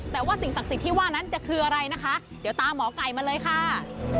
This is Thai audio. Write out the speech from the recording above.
แต่ว่าสิ่งศักดิ์สิทธิ์ที่ว่านั้นจะคืออะไรนะคะเดี๋ยวตามหมอไก่มาเลยค่ะ